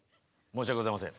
申し訳ございません。